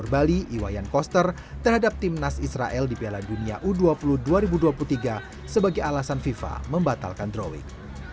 bali iwayan koster terhadap tim nas israel di piala dunia u dua puluh dua ribu dua puluh tiga sebagai alasan fifa membatalkan drawing